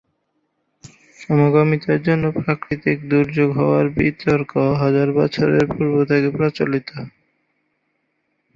সমকামিতার জন্য প্রাকৃতিক দুর্যোগ হওয়ার বিতর্ক হাজার বছরের পূর্ব থেকে প্রচলিত।